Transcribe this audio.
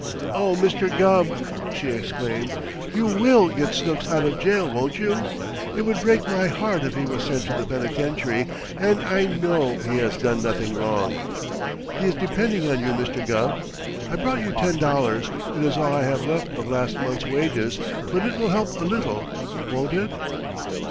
"Oh, Mr. Gubb!" she exclaimed. "You will get Snooks out of jail, won't you? It would break my heart if he was sent to the penitentiary, and I know he has done nothing wrong! He is depending on you, Mr. Gubb. I brought you ten dollars it is all I have left of last month's wages, but it will help a little, won't it?"